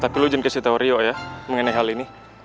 tapi lo jangan kasih tahu rio ya mengenai hal ini